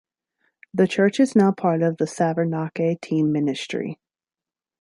The church is now part of the Savernake team ministry.